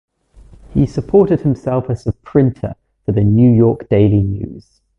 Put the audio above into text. He supported himself as a printer for the New York Daily News.